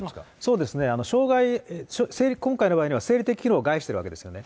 そうですね、今回の場合には生理的機能を害しているわけですよね。